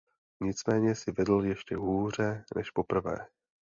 Nicméně si vedl ještě hůře než poprvé.